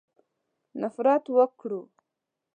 نفرت وکړو.